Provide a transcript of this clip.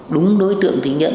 đúng đối tượng thì nhận